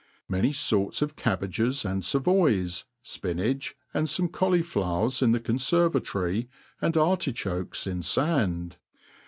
MANY forts of cabbages and favoys, fpinach, and fome cau liflowers in the confervatory, and artichokes nn fand.